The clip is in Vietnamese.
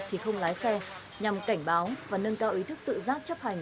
thì không lái xe nhằm cảnh báo và nâng cao ý thức tự giác chấp hành